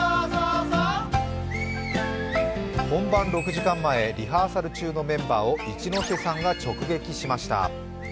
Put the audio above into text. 本番６時間前、リハーサル中のメンバーを一ノ瀬さんが直撃しました。